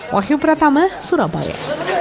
wahyu pratama surabaya